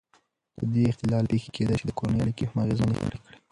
د دې اختلال پېښې کېدای شي د کورنۍ اړیکې هم اغېزمنې کړي.